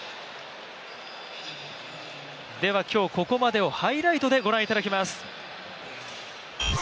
では今日ここまでをハイライトでご覧いただきます。